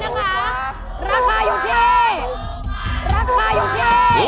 ราคาอยู่ที่